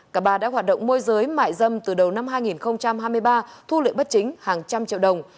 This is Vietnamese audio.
cả ba đã hoạt động môi giới mại dâm từ đầu năm hai nghìn hai mươi ba thu lợi bất chính hàng trăm triệu đồng